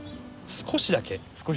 少しだけ。